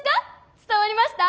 伝わりました！？